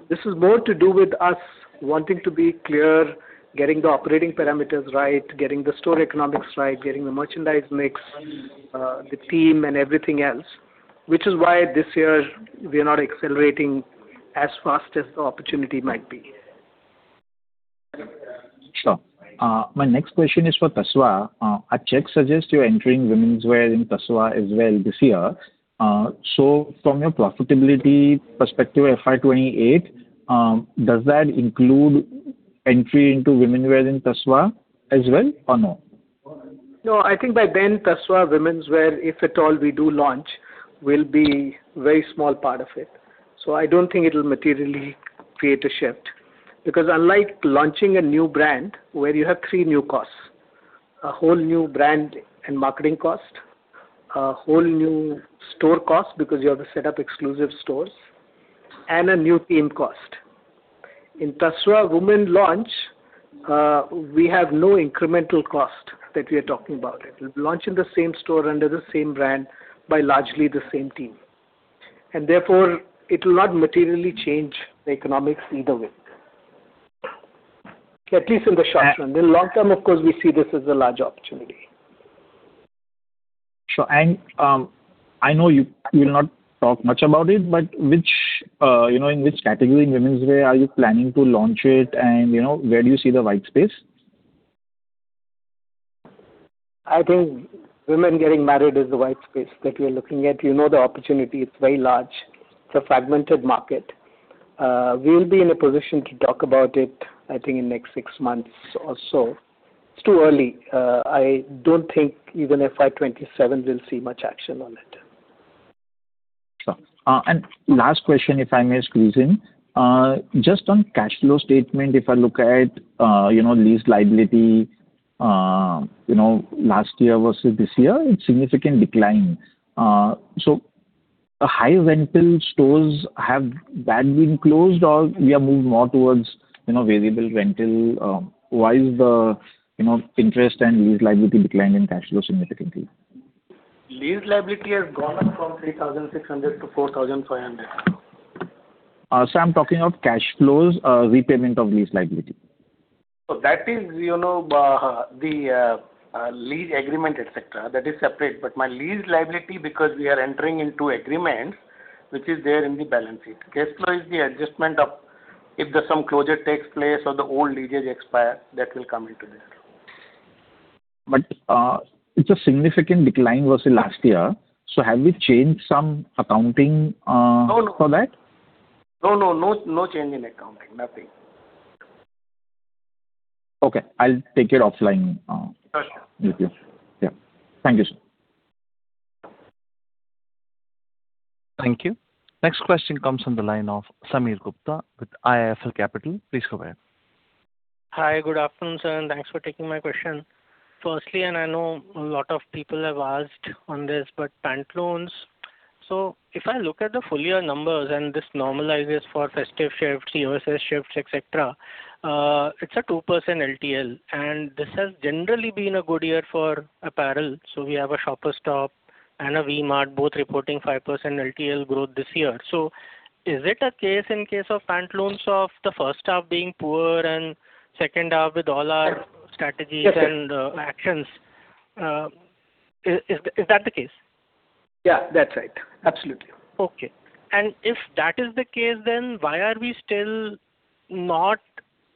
This is more to do with us wanting to be clear, getting the operating parameters right, getting the store economics right, getting the merchandise mix, the team and everything else. Which is why this year we're not accelerating as fast as the opportunity might be. Sure. My next question is for Tasva. A check suggests you're entering womenswear in Tasva as well this year. From a profitability perspective, FY 2028, does that include entry into womenswear in Tasva as well or no? No, I think by then, Tasva womenswear, if at all we do launch, will be very small part of it. I don't think it'll materially create a shift. Unlike launching a new brand where you have three new costs, a whole new brand and marketing cost, a whole new store cost because you have to set up exclusive stores, and a new team cost. In Tasva women launch, we have no incremental cost that we're talking about. It'll launch in the same store under the same brand by largely the same team. Therefore, it will not materially change the economics either way. At least in the short run. In the long term, of course, we see this as a large opportunity. Sure. I know you will not talk much about it, but in which category in womenswear are you planning to launch it, and where do you see the white space? I think women getting married is the white space that we're looking at. You know the opportunity, it's very large. It's a fragmented market. We'll be in a position to talk about it, I think in the next six months or so. It's too early. I don't think even FY 2027 we'll see much action on it. Sure. Last question, if I may squeeze in. Just on cash flow statement, if I look at lease liability last year versus this year, it's significant decline. High rental stores have that been closed or we have moved more towards variable rental? Why is the interest and lease liability decline in cash flow significantly? Lease liability has gone up from 3,600 to 4,500. I'm talking of cash flows, repayment of lease liability. That is the lease agreement, et cetera. That is separate. My lease liability, because we are entering into agreements, which is there in the balance sheet. Cash flow is the adjustment of if there's some closure takes place or the old leases expire, that will come into there. It's a significant decline versus last year. Have we changed some accounting for that? No. No change in accounting. Nothing. Okay. I'll take it offline. Sure. Thank you. Thank you. Next question comes on the line of Sameer Gupta with IIFL Capital. Please go ahead. Hi, good afternoon, sir, and thanks for taking my question. Firstly, and I know a lot of people have asked on this, but Pantaloons. If I look at the full-year numbers and this normalizes for festive shifts, EOSS shifts, et cetera, it's a 2% LTL, and this has generally been a good year for apparel. We have a Shoppers Stop and a V-Mart both reporting 5% LTL growth this year. Is it a case of Pantaloons of the first half being poor and second half with all our strategies and actions? Is that the case? Yeah, that's right. Absolutely. Okay. If that is the case, why are we still not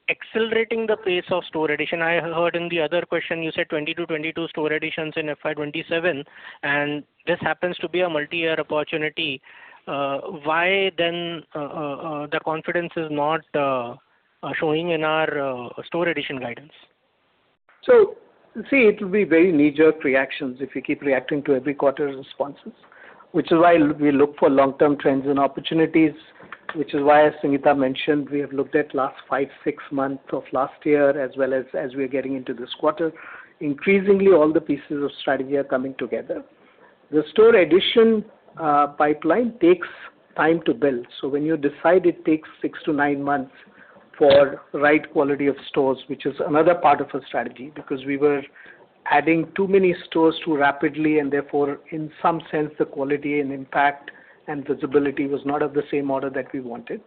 accelerating the pace of store addition? I heard in the other question you said 20-22 store additions in FY 2027. This happens to be a multi-year opportunity. Why the confidence is not showing in our store addition guidance? See, it will be very major reactions if we keep reacting to every quarter responses, which is why we look for long-term trends and opportunities, which is why, as Sangeeta mentioned, we have looked at last five, six months of last year as well as we're getting into this quarter. Increasingly, all the pieces of strategy are coming together. The store addition pipeline takes time to build. When you decide it takes six to nine months for right quality of stores, which is another part of our strategy because we were adding too many stores too rapidly and therefore in some sense the quality and impact and visibility was not at the same order that we wanted.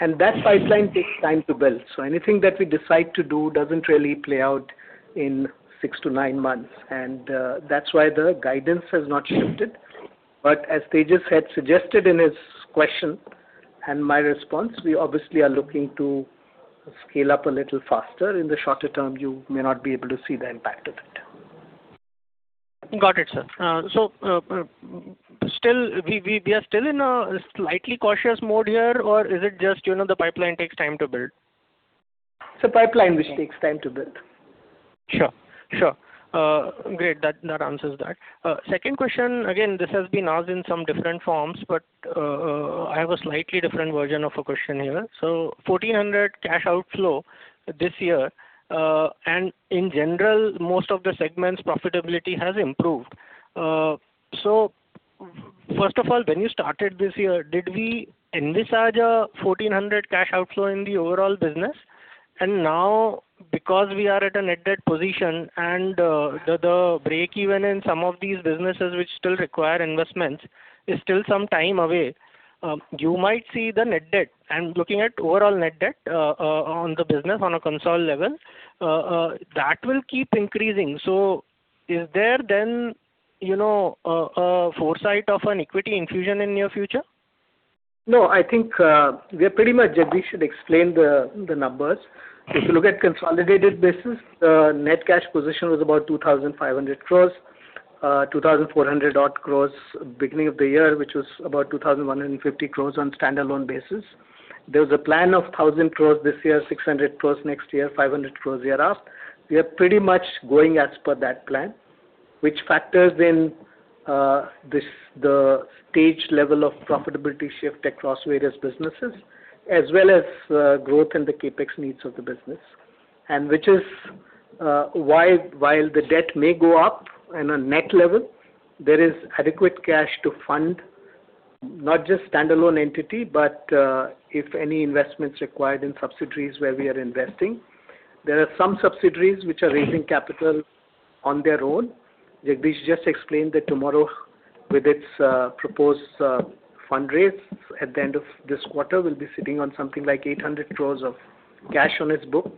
That pipeline takes time to build. Anything that we decide to do doesn't really play out in six to nine months and that's why the guidance has not shifted. As Tejas had suggested in his question and my response, we obviously are looking to scale up a little faster. In the shorter term, you may not be able to see the impact of it. Got it, sir. We are still in a slightly cautious mode here or is it just the pipeline takes time to build? It's a pipeline which takes time to build. Sure. Great. That answers that. Second question, again, this has been asked in some different forms, but I have a slightly different version of a question here. 1,400 crore cash outflow this year, and in general, most of the segments' profitability has improved. First of all, when you started this year, did we envisage a 1,400 crore cash outflow in the overall business? Now because we are at a net debt position and the break-even in some of these businesses which still require investments is still some time away, you might see the net debt. I'm looking at overall net debt on the business on a consolidated level. That will keep increasing. Is there then a foresight of an equity infusion in near future? No, I think we pretty much, Jagdish should explain the numbers. If you look at consolidated business, the net cash position was about 2,500 crores, 2,400 odd crores beginning of the year, which was about 2,150 crores on standalone basis. There's a plan of 1,000 crores this year, 600 crores next year, 500 crores year after. We are pretty much going as per that plan, which factors in the stage level of profitability shift across various businesses as well as growth in the CapEx needs of the business. Which is why while the debt may go up on a net level, there is adequate cash to fund not just standalone entity but if any investment's required in subsidiaries where we are investing. There are some subsidiaries which are raising capital on their own. Jagdish should explain that TMRW with its proposed fundraise at the end of this quarter will be sitting on something like 800 crores of cash on its book.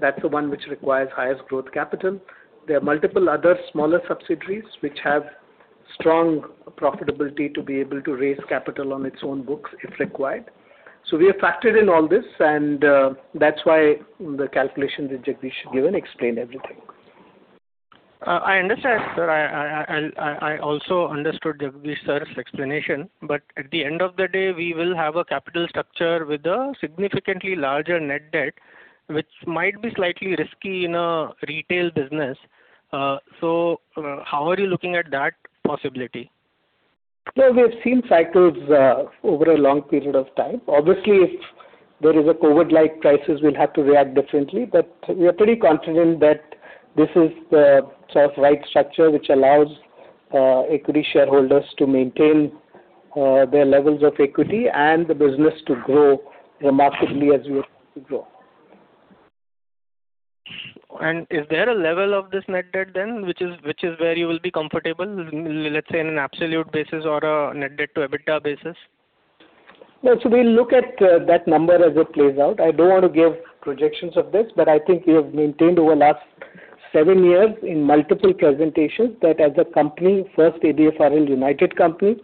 That's the one which requires highest growth capital. There are multiple other smaller subsidiaries which have strong profitability to be able to raise capital on its own books if required. We have factored in all this and that's why the calculation that Jagdish should give and explain everything. I understand, sir. I also understood Jagdish's explanation. At the end of the day, we will have a capital structure with a significantly larger net debt which might be slightly risky in a retail business. How are you looking at that possibility? No, we've seen cycles over a long period of time. Obviously if there is a COVID-like crisis we'll have to react differently but we are pretty confident that this is the sort of right structure which allows equity shareholders to maintain their levels of equity and the business to grow remarkably as we grow. Is there a level of this net debt then which is where you will be comfortable, let's say on an absolute basis or a net debt to EBITDA basis? No, we look at that number as it plays out. I don't want to give projections of this but I think we have maintained over last seven years in multiple presentations that as a company first Aditya Birla Nuvo Limited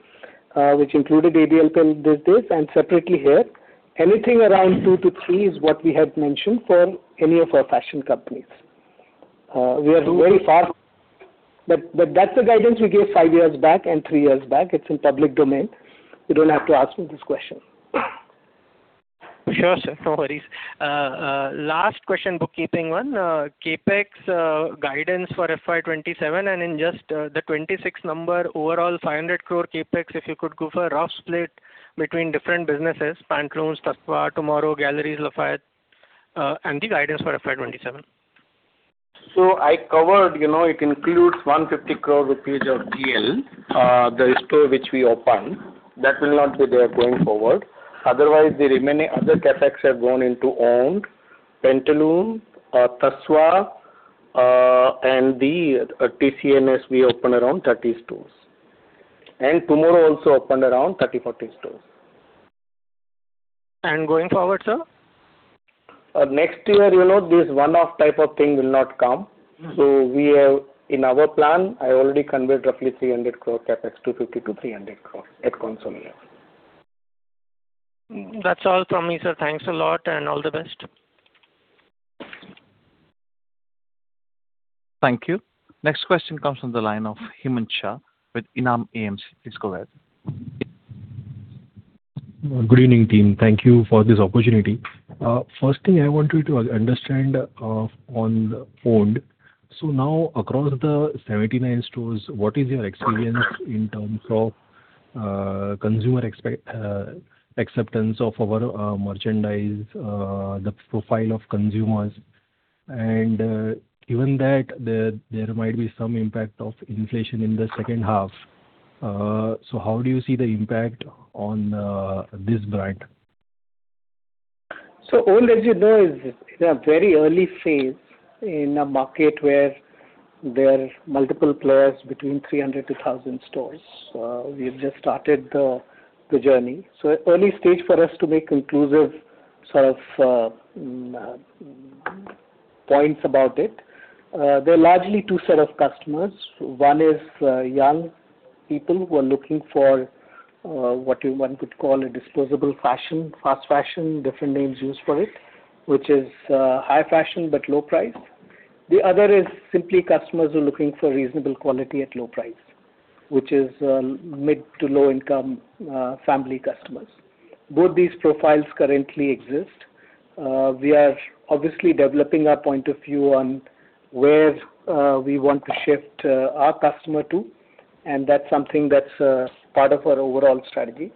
which included [inaudible] businesses and separately here anything around two to three is what we have mentioned for any of our fashion companies. We are very far from it. That's the guidance we gave five years back and three years back. It's in public domain. You don't have to ask me this question. We have some priorities. Last question, keeping one CapEx guidance for FY 2027 and in just the 2026 number overall 500 crore CapEx, if you could give a rough split between different businesses, Pantaloons, Tasva, TMRW, Galeries Lafayette and the guidance for FY 2027? It includes 150 crore rupees of GL, the store which we opened. That will not be there going forward. The remaining other CapEx have gone into OWND!, Pantaloons, Tasva, and the TCNS we opened around 30 stores. TMRW also opened around 30, 40 stores. Going forward, sir? Next year, this one-off type of thing will not come. In our plan, I already conveyed roughly 300 crores CapEx, 250 crores-300 crores at consol level. That's all from me, sir. Thanks a lot and all the best. Thank you. Next question comes from the line of Himanshu with Enam AMC. Please go ahead. Good evening, team. Thank you for this opportunity. First thing I wanted to understand on OWND!. Now across the 79 stores, what is your experience in terms of consumer acceptance of our merchandise, the profile of consumers? Given that there might be some impact of inflation in the second half, how do you see the impact on this brand? OWND! is in a very early phase in a market where there are multiple players between 300 to 1,000 stores. We've just started the journey. Early stage for us to make conclusive sort of points about it. There are largely two set of customers. One is young people who are looking for what one could call a disposable fashion, fast fashion, different names used for it, which is high fashion but low price. The other is simply customers who are looking for reasonable quality at low price, which is mid to low-income family customers. Both these profiles currently exist. We are obviously developing our point of view on where we want to shift our customer to, and that's something that's part of our overall strategy.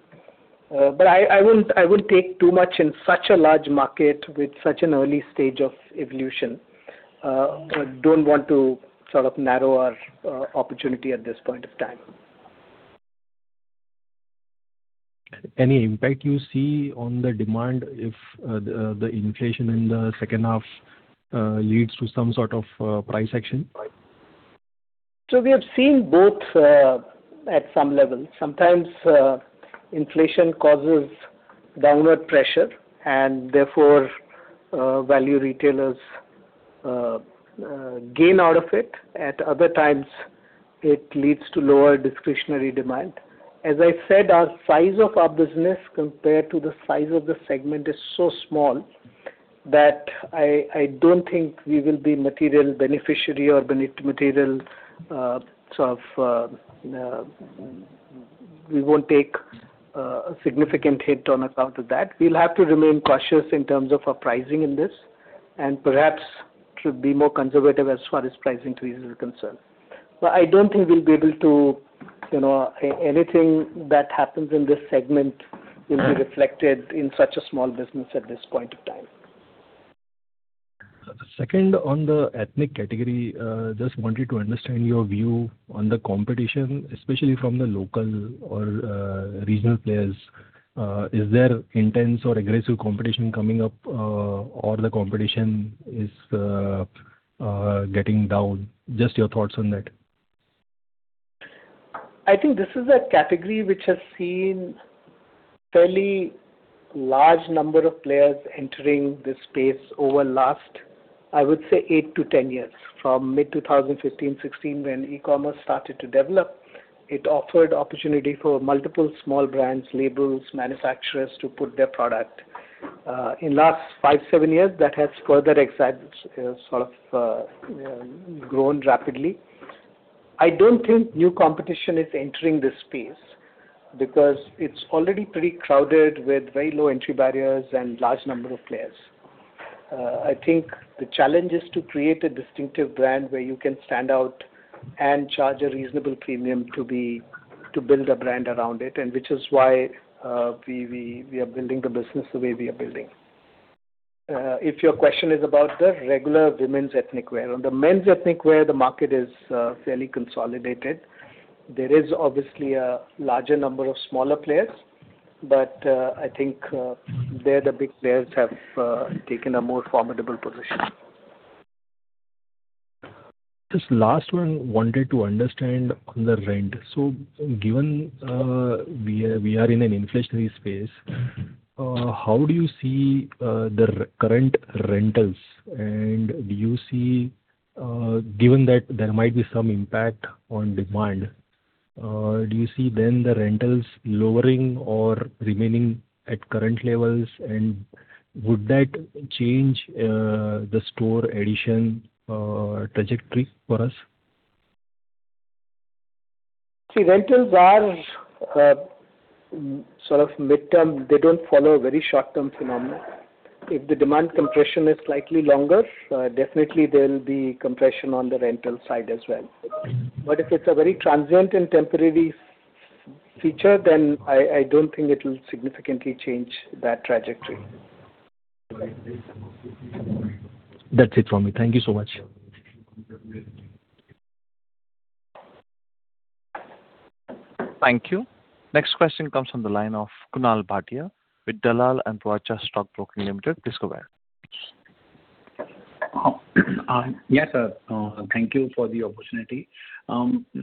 I won't take too much in such a large market with such an early stage of evolution. Don't want to sort of narrow our opportunity at this point of time. Any impact you see on the demand if the inflation in the second half leads to some sort of price action? We have seen both at some level. Sometimes inflation causes downward pressure, and therefore, value retailers gain out of it. At other times, it leads to lower discretionary demand. As I said, our size of our business compared to the size of the segment is so small that I don't think we will be material beneficiary. We won't take a significant hit on account of that. We'll have to remain cautious in terms of our pricing in this, and perhaps should be more conservative as far as pricing increase is concerned. I don't think anything that happens in this segment will be reflected in such a small business at this point of time. Second, on the ethnic category, just wanted to understand your view on the competition, especially from the local or regional players. Is there intense or aggressive competition coming up, or the competition is getting down? Just your thoughts on it. I think this is a category which has seen fairly large number of players entering this space over last, I would say 8-10 years, from mid-2015, 2016, when e-commerce started to develop. It offered opportunity for multiple small brands, labels, manufacturers to put their product. In last five, seven years, that has further grown rapidly. I don't think new competition is entering this space because it's already pretty crowded with very low entry barriers and large number of players. I think the challenge is to create a distinctive brand where you can stand out and charge a reasonable premium to build a brand around it, and which is why we are building the business the way we are building. If your question is about the regular women's ethnic wear. On the men's ethnic wear, the market is fairly consolidated. There is obviously a larger number of smaller players, but I think there the big players have taken a more formidable position. Just last one, wanted to understand on the rent. Given we are in an inflationary space, how do you see the current rentals? Do you see, given that there might be some impact on demand, do you see the rentals lowering or remaining at current levels? Would that change the store addition trajectory for us? Rentals are sort of midterm. They don't follow a very short-term phenomenon. If the demand compression is slightly longer, definitely there'll be compression on the rental side as well. If it's a very transient and temporary feature, then I don't think it'll significantly change that trajectory. That's it for me. Thank you so much. Thank you. Next question comes from the line of Kunal Bhatia with Dalal & Broacha Stock Broking Pvt. Ltd. Please go ahead. Yeah, sir. Thank you for the opportunity.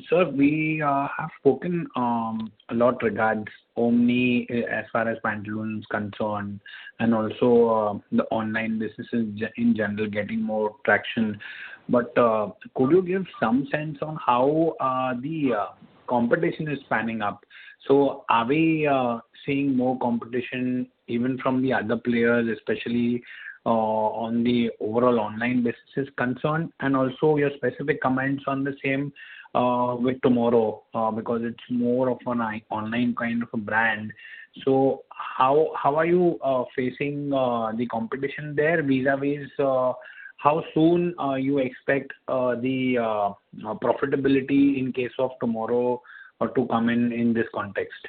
Sir, we have spoken a lot regards only as far as Pantaloons is concerned. Also, the online business in general getting more traction. Could you give some sense on how the competition is panning up? Are we seeing more competition even from the other players, especially on the overall online business is concerned? Also, your specific comments on the same with TMRW, because it's more of an online kind of a brand. How are you facing the competition there vis-a-vis how soon you expect the profitability in case of TMRW to come in this context?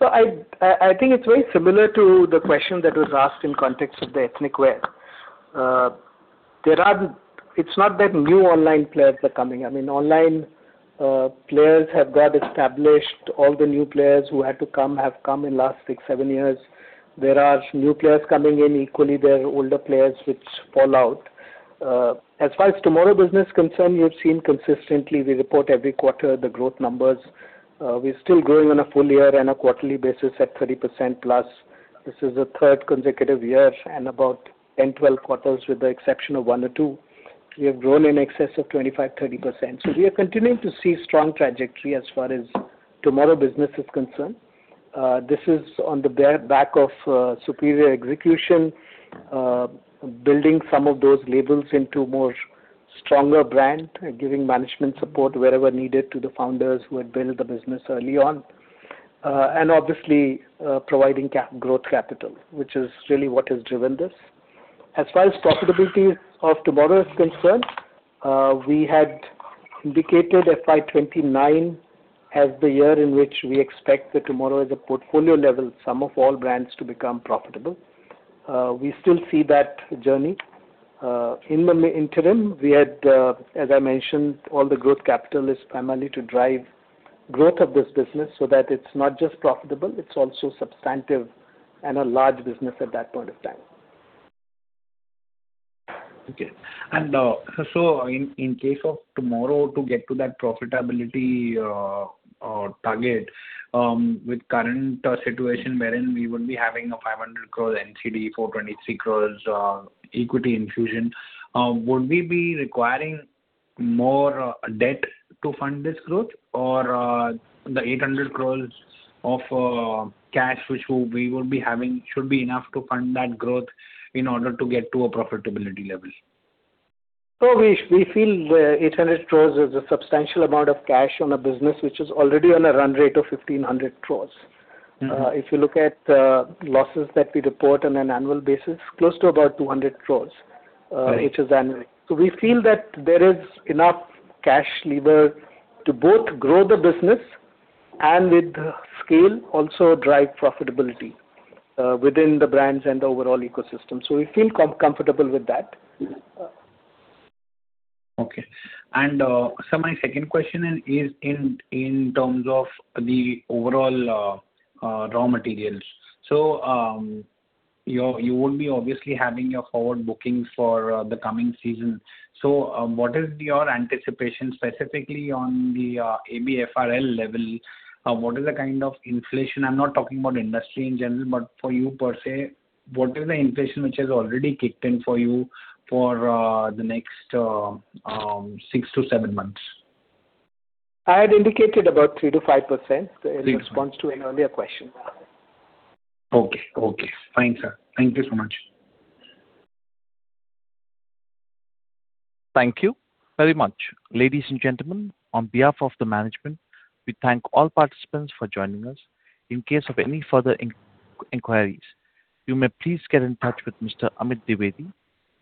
I think it's very similar to the question that was asked in context of the ethnic wear. It's not that new online players are coming. Online players have got established. All the new players who had to come have come in the last six, seven years. There are new players coming in. Equally, there are older players which fall out. As far as TMRW business is concerned, you've seen consistently, we report every quarter the growth numbers. We're still growing on a full year and a quarterly basis at 30%+. This is the third consecutive year and about 10, 12 quarters with the exception of one or two. We have grown in excess of 25%, 30%. We are continuing to see strong trajectory as far as TMRW business is concerned. This is on the back of superior execution, building some of those labels into a stronger brand, giving management support wherever needed to the founders who had been in the business early on. Obviously, providing growth capital, which is really what has driven this. As far as profitability of TMRW is concerned, we had indicated FY 2029 as the year in which we expect the TMRW as a portfolio level, sum of all brands to become profitable. We still see that journey. In the interim, as I mentioned, all the growth capital is primarily to drive growth of this business so that it is not just profitable, it is also substantive and a large business at that point of time. In case of TMRW to get to that profitability target with current situation wherein we will be having an 500 crore NCD for 23 crore equity infusion, would we be requiring more debt to fund this growth or the 800 crore of cash which we will be having should be enough to fund that growth in order to get to a profitability level? We feel 800 crores is a substantial amount of cash on a business which is already on a run rate of 1,500 crores. If you look at the losses that we report on an annual basis, close to about 200 crores each annual. We feel that there is enough cash lever to both grow the business and with scale, also drive profitability within the brands and overall ecosystem. We feel comfortable with that. Okay. sir, my second question is in terms of the overall raw materials. You will be obviously having your forward bookings for the coming season. What is your anticipation specifically on the ABFRL level? What is the kind of inflation, I'm not talking about industry in general, but for you per se, what is the inflation which has already kicked in for you for the next six to seven months? I had indicated about 3%-5% in response to an earlier question. Okay. Fine, sir. Thank you so much. Thank you very much. Ladies and gentlemen, on behalf of the management, we thank all participants for joining us. In case of any further inquiries, you may please get in touch with Mr. Amit Dwivedi.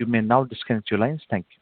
You may now disconnect your lines. Thank you.